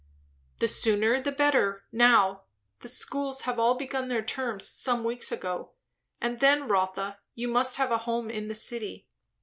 "The sooner the better, now. The schools have all begun their terms some weeks ago. And then, Rotha, you must have a home in the city.